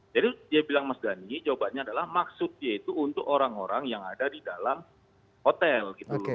jadi dia bilang mas dhani jawabannya adalah maksudnya itu untuk orang orang yang ada di dalam hotel gitu loh